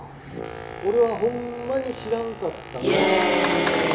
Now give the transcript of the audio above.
俺はほんまに知らんかったの。